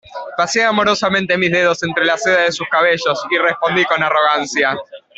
pasé amorosamente mis dedos entre la seda de sus cabellos, y respondí con arrogancia: